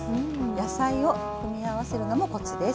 野菜を組み合わせるのもコツです。